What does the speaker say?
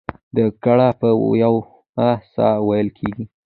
دا ګړه په یوه ساه وېل کېږي.